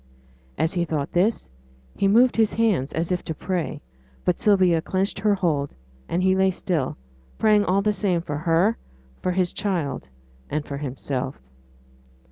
As he thought this, he moved his hands as if to pray; but Sylvia clenched her hold, and he lay still, praying all the same for her, for his child, and for himself.